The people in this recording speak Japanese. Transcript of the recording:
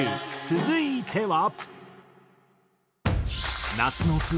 続いては。